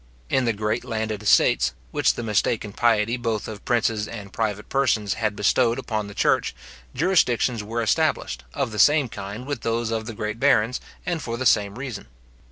In the great landed estates, which the mistaken piety both of princes and private persons had bestowed upon the church, jurisdictions were established, of the same kind with those of the great barons, and for the same reason.